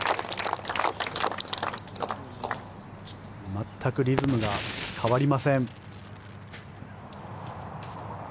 全くリズムが変わりません。